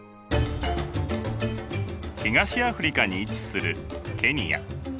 東アフリカに位置するケニア。